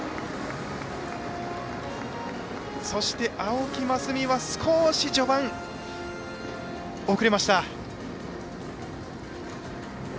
そして、青木益未は少し序盤遅れました。